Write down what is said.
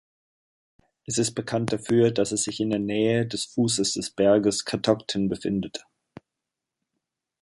Es ist bekannt dafür, dass es sich in der Nähe des Fußes des Berges Catoctin befindet.